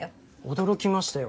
驚きましたよ。